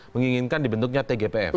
menginginkan dibentuknya tgpf